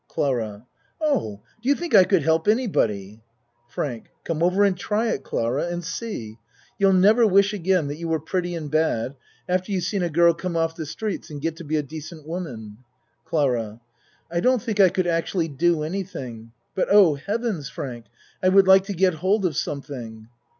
CLARA Oh do you think I could help any body? FRANK Come over and try it, Clara, and see. You'll never wish again that you were pretty and bad, after you've seen a girl come off the streets and get to be a decent woman. CLARA I don't think I could actually do any thing, but Oh, heavens, Frank, I would like to get hold of something.